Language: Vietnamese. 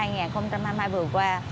năm hai nghìn hai mươi hai vừa qua